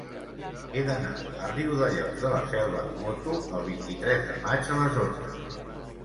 He d'anar a Riudellots de la Selva amb moto el vint-i-tres de maig a les onze.